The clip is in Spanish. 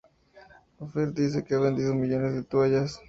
Offer dice que ha vendido millones de toallas.